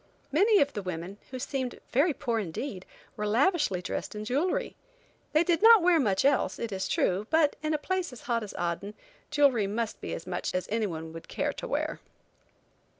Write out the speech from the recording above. Many of the women, who seemed very poor indeed, were lavishly dressed in jewelry. They did not wear much else, it is true, but in a place as hot as Aden, jewelry must be as much as anyone would care to wear.